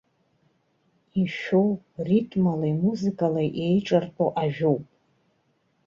Ишәоу, ритмалеи музыкалеи еиҿартәу ажәоуп.